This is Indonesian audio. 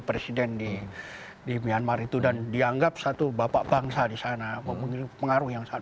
presiden di myanmar itu dan dianggap satu bapak bangsa di sana memiliki pengaruh yang sangat